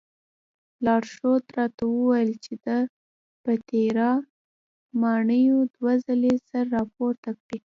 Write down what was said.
لارښود راته وویل چې د پیترا ماڼیو دوه ځلې سر راپورته کړی.